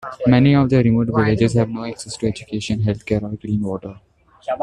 Many of the remote villages have no access to education, healthcare, or clean water.